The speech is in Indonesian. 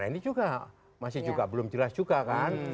nah ini juga masih juga belum jelas juga kan